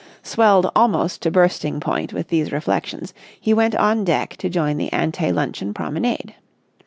Swelled almost to bursting point with these reflections, he went on deck to join the ante luncheon promenade.